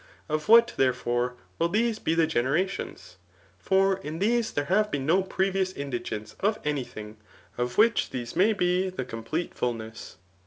Of what, therefore, will these be the generations ? For in these there has been no previous indigence of any thing, of which these may be the cotnplete fulness.